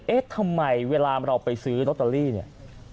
เอ๊ะทำไมเวลาเราไปซื้อลอตเตอรี่เนี่ย